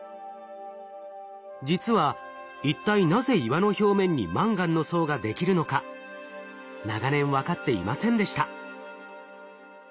実は一体なぜ岩の表面にマンガンの層ができるのか長年分かっていませんでした。